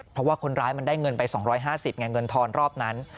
เพราะว่าคนร้ายมันได้เงินไป๒๕๐ไงเงินทอนรอบนั้น